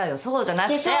そうじゃなくて。